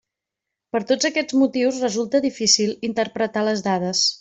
Per tots aquests motius resulta difícil interpretar les dades.